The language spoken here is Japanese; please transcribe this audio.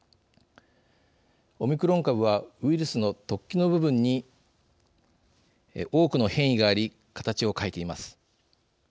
オミクロン株はウイルスの突起の部分に多くの変異があり形を変えています。